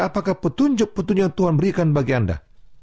apakah petunjuk petunjuk yang tuhan berikan bagi anda